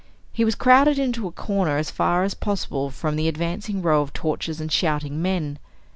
He was crowded into a corner as far as possible from the advancing row of torches and shouting men.